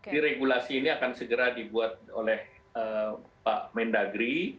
di regulasi ini akan segera dibuat oleh pak mendagri